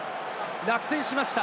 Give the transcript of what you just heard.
落選しました。